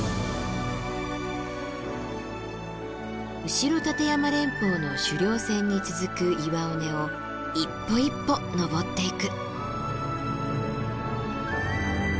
後立山連峰の主稜線に続く岩尾根を一歩一歩登っていく。